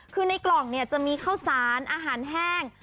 คือในกล่องเนี่ยจะมีข้าวสารอาหารแห้ง